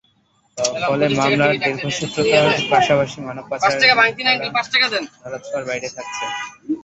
ফলে মামলার দীর্ঘসূত্রতার পাশাপাশি মানব পাচারের মূল হোতারা ধরা ছোঁয়ার বাইরে থাকছে।